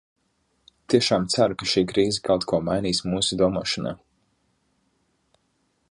Tiešām ceru, ka šī krīze kaut ko mainīs mūsu domāšanā.